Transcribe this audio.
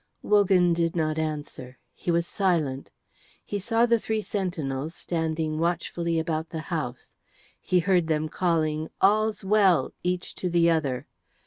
Wogan did not answer. He was silent; he saw the three sentinels standing watchfully about the house; he heard them calling "All's well" each to the other.